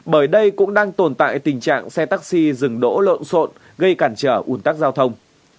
bởi đây cũng đang tồn tại tình trạng xe taxi dừng đỗ lộn xộn gây cản trở ủn tắc giao thông